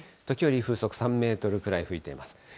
時折風速３メートルくらい吹いています。